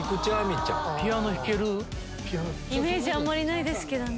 イメージあんまりないですけどね。